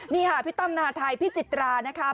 นี่ค่ะพี่ตั้มนาไทยพี่จิตรานะคะ